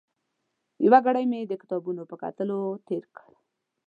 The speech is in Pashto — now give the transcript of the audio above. یو ګړی مې د کتابونو په کتلو تېر کړ.